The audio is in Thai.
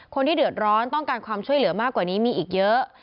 คนที่เดือดร้อนต้องการความช่วยเหลือมากกว่านี้มีอีกเยอะ